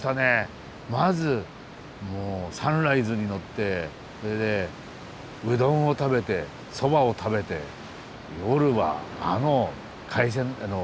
まずサンライズに乗ってそれでうどんを食べてそばを食べて夜はあの海鮮あのお魚でしょう。